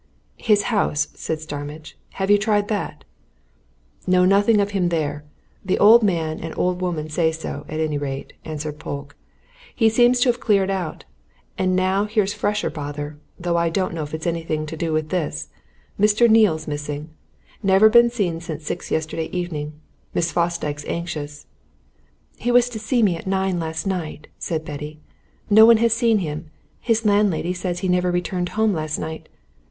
"His house!" said Starmidge. "Have you tried that?" "Know nothing of him there the old man and old woman said so, at any rate," answered Polke. "He seems to have cleared out. And now here's fresh bother, though I don't know if it's anything to do with this. Mr. Neale's missing never been seen since six yesterday evening. Miss Fosdyke's anxious " "He was to see me at nine last night," said Betty. "No one has seen him. His landlady says he never returned home last night.